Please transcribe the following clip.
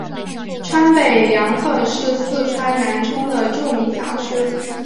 川北凉粉是四川南充的著名小吃。